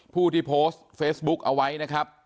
ผู้ที่โพสต์เฟซบุ๊กเอาไว้นะครับ